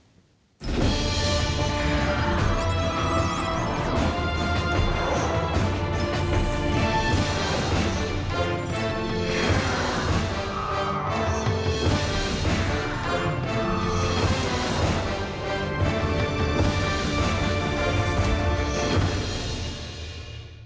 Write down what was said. ค่ะ